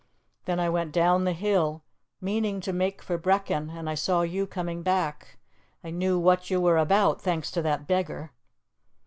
Then I went down the hill, meaning to make for Brechin, and I saw you coming back. I knew what you were about, thanks to that beggar."